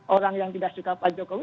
orang yang tidak suka pak jokowi